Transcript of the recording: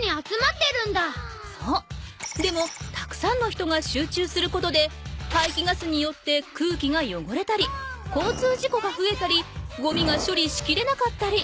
でもたくさんの人が集中することではいきガスによって空気がよごれたりこうつうじこがふえたりごみがしょりしきれなかったり。